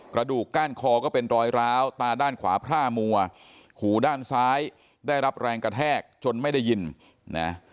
กระดูกก้านคอก็เป็นรอยร้าวตาด้านขวาพร่ามัวหูด้านซ้ายได้รับแรงกระแทกจนไม่ได้ยินนะ